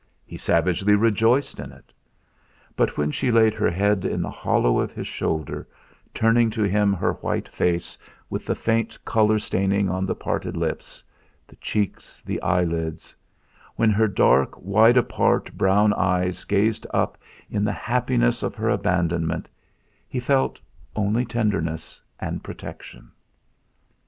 He savagely rejoiced in it. But when she laid her head in the hollow of his shoulder, turning to him her white face with the faint colour staining on the parted lips, the cheeks, the eyelids; when her dark, wide apart, brown eyes gazed up in the happiness of her abandonment he felt only tenderness and protection.